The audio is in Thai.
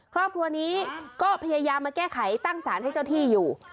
ครอบครัวนี้ก็พยายามมาแก้ไขตั้งสารให้เจ้าที่อยู่